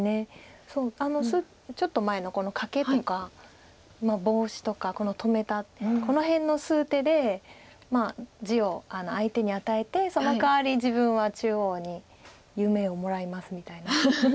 あのちょっと前のこのカケとかボウシとかこの止めたこの辺の数手で地を相手に与えてそのかわり自分は中央に夢をもらいますみたいな。